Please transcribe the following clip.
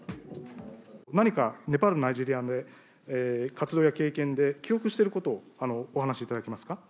何か、ネパール、ナイジェリアで、活動や経験で記憶していることをお話しいただけますか。